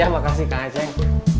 ya makasih kak aceh